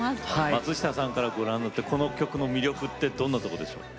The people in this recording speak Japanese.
松下さんにとってこの曲の魅力どんなところでしょうか。